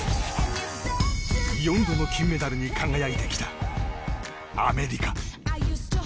４度の金メダルに輝いてきたアメリカ。